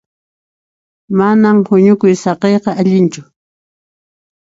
Manan huñukuy saqiyqa allinchu.